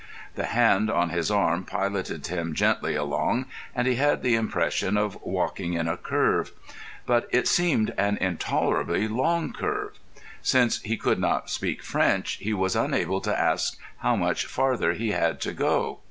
The hand on his arm piloted him gently along, and he had the impression of walking in a curve. But it seemed an intolerably long curve. Since he could not speak French, he was unable to ask how much farther he had to go.